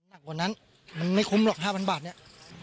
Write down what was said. หนักกว่านั้นมันไม่คุ้มหรอก๕๐๐บาทเนี่ย